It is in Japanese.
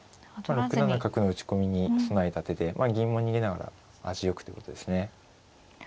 ６七角の打ち込みに備えた手で銀も逃げながら味よくということですね。